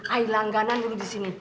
air langganan dulu di sini